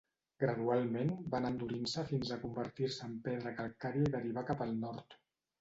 Gradualment va anar endurint-se fins a convertir-se en pedra calcària i derivà cap al nord.